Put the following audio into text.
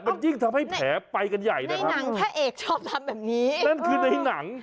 มันยิ่งทำให้แผลไปกันใหญ่นะครับหนังพระเอกชอบทำแบบนี้นั่นคือในหนัง